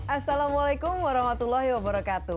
assalamualaikum warahmatullahi wabarakatuh